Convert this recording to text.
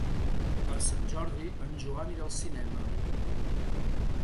Per Sant Jordi en Joan irà al cinema.